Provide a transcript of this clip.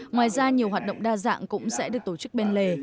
ngoài ra nhiều hoạt động đa dạng cũng sẽ được tổ chức bên lề